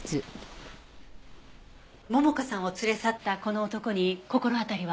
桃香さんを連れ去ったこの男に心当たりは？